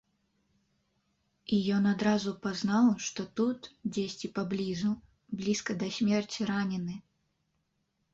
І ён адразу пазнаў, што тут, дзесьці паблізу, блізка да смерці ранены.